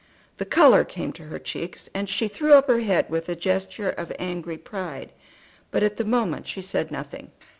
The colour came to her cheeks, and she threw up her head with a gesture of angry pride, but at the moment she said nothing.